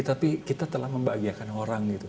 tapi kita telah membahagiakan orang gitu